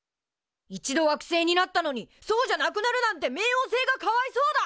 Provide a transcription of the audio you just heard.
一度惑星になったのにそうじゃなくなるなんて冥王星がかわいそうだ！